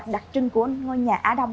đặc trưng của ngôi nhà á đông